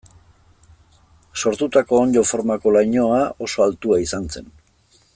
Sortutako onddo formako lainoa oso altua izan zen.